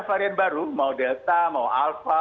varian baru mau delta mau alpha